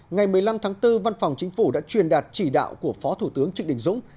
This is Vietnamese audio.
ngày một mươi năm tháng bốn văn phòng chính phủ đã truyền đạt chỉ đạo của phó thủ tướng trịnh đình dũng